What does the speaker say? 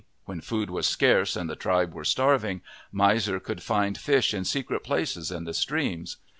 When food was scarce and the tribe were starving, Miser could find fish in secret places in the streams.